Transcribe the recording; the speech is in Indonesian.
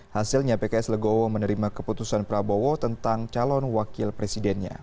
hasilnya pks legowo menerima keputusan prabowo tentang calon wakil presidennya